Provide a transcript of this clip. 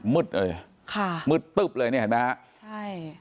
มืดเลยค่ะมืดตึ๊บเลยเนี่ยเห็นไหมฮะใช่